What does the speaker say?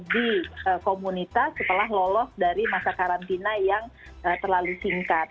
di komunitas setelah lolos dari masa karantina yang terlalu singkat